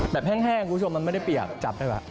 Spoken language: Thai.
แห้งคุณผู้ชมมันไม่ได้เปียกจับได้ว่ะ